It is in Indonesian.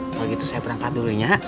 kalau gitu saya berangkat dulu ya